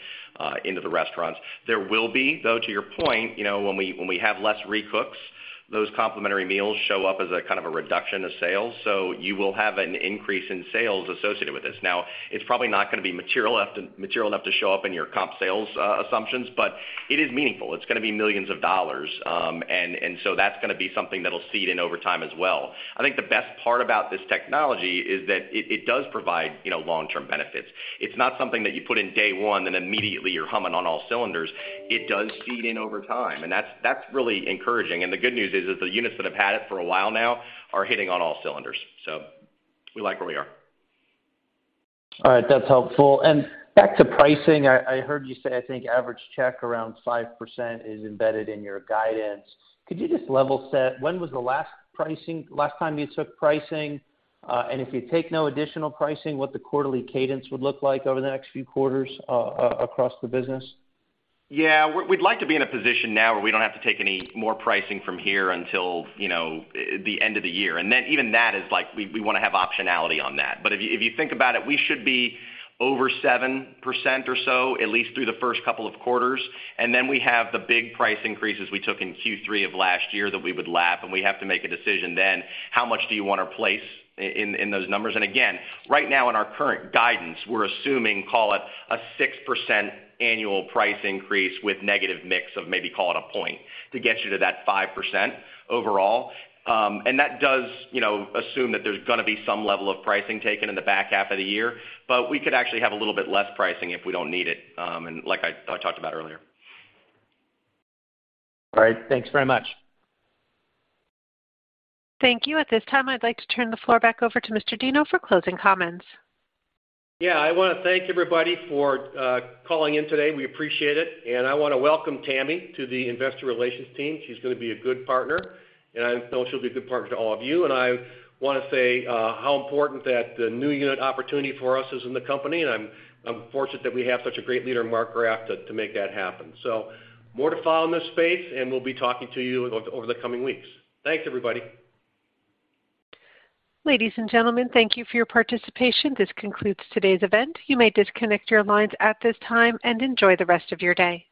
into the restaurants. There will be, though, to your point, you know, when we have less re-cooks, those complimentary meals show up as a kind of a reduction of sales. You will have an increase in sales associated with this. It's probably not gonna be material enough, material enough to show up in your comp sales assumptions, but it is meaningful. It's gonna be millions of dollars. That's gonna be something that'll seed in over time as well. I think the best part about this technology is that it does provide, you know, long-term benefits. It's not something that you put in day one, and immediately you're humming on all cylinders. It does seed in over time, and that's really encouraging. The good news is that the units that have had it for a while now are hitting on all cylinders. We like where we are. All right. That's helpful. Back to pricing. I heard you say, I think, average check around 5% is embedded in your guidance. Could you just level set when was the last time you took pricing? If you take no additional pricing, what the quarterly cadence would look like over the next few quarters across the business? Yeah. We'd like to be in a position now where we don't have to take any more pricing from here until, you know, the end of the year. Then even that is like we wanna have optionality on that. If you think about it, we should be over 7% or so at least through the first couple of quarters. Then we have the big price increases we took in Q3 of last year that we would lap, and we have to make a decision then, how much do you wanna place in those numbers? Again, right now in our current guidance, we're assuming, call it, a 6% annual price increase with negative mix of maybe, call it, a point to get you to that 5% overall. That does, you know, assume that there's gonna be some level of pricing taken in the back half of the year. We could actually have a little bit less pricing if we don't need it, and like I talked about earlier. All right. Thanks very much. Thank you. At this time, I'd like to turn the floor back over to Mr. Deno for closing comments. Yeah. I wanna thank everybody for calling in today. We appreciate it. I wanna welcome Tammy to the investor relations team. She's gonna be a good partner, and I know she'll be a good partner to all of you. I wanna say how important that the new unit opportunity for us is in the company, and I'm fortunate that we have such a great leader in Mark Graff to make that happen. More to follow in this space, and we'll be talking to you over the coming weeks. Thanks, everybody. Ladies and gentlemen, thank you for your participation. This concludes today's event. You may disconnect your lines at this time and enjoy the rest of your day.